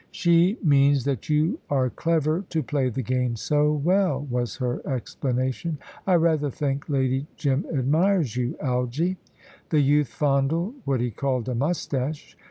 "She means that you are clever to play the game so well," was her explanation. "I rather think Lady Jim admires you, Algy." The youth fondled what he called a moustache.